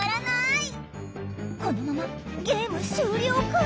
このままゲーム終了か？